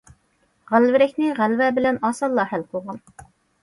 غەلۋىرەكنى غەلۋە بىلەن ئاسانلا ھەل قىلغان.